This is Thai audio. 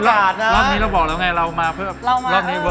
ครั้งนี้เราเบาเรามาเพิ่ม